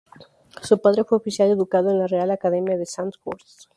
Su padre fue oficial educado en la Real Academia de Sandhurst.